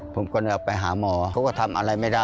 ผมก็เลยไปหาหมอเขาก็ทำอะไรไม่ได้